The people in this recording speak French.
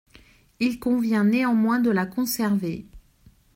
Il convient néanmoins de la conserver.